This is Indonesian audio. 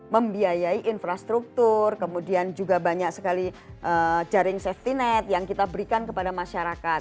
membiayai infrastruktur kemudian juga banyak sekali jaring safety net yang kita berikan kepada masyarakat